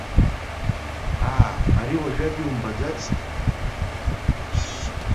Аа ари уажәада иумбаӡацт?